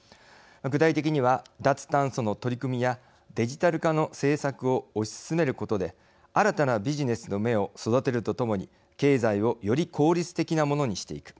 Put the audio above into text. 具体的には脱炭素の取り組みやデジタル化の政策を推し進めることで新たなビジネスの芽を育てるとともに、経済をより効率的なものにしていく。